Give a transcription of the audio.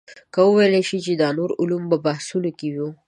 که وویل شي چې دا نور علوم په بحثونو کې وو.